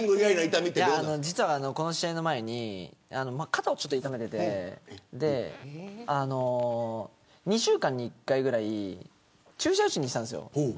実はこの試合の前に肩をちょっと痛めていて２週間に１回ぐらい注射打ちにいってたんです。